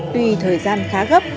tuy thời gian khá gấp